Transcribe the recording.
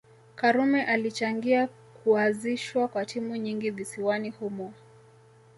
Karume alichangia kuazishwa kwa timu nyingi visiwani humo